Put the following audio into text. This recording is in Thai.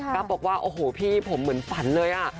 บอกว่าโอ้โหพี่ผมเหมือนฝันเลย